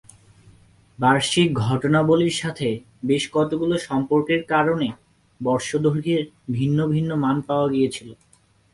বার্ষিক ঘটনাবলির সাথে বেশ কতগুলো সম্পর্কের কারণে বর্ষ-দৈর্ঘ্যের ভিন্ন ভিন্ন মান পাওয়া গিয়েছিল।